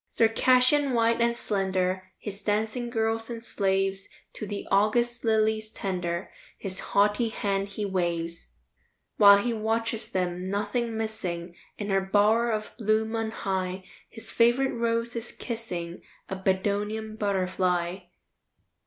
Circassian white and slender, His dancing girls and slaves, To the August lilies tender, His haughty hand he waves. While he watches them, nothing missing, In her bower of bloom on high, His favorite rose is kissing A Bedouin butterfly.